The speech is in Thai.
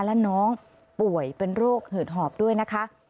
และน้องป่วยเป็นโรคเหิดหอบด้วยนะคะ